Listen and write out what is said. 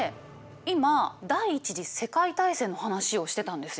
今第一次世界大戦の話をしてたんですよ。